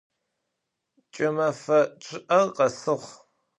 Ç'ımefe ççı'er khesığ.